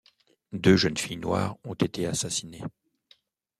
Deux jeunes filles noires ont été assassinées.